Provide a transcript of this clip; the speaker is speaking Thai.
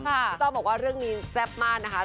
พี่ต้อมบอกว่าเรื่องนี้แซ่บมากนะคะ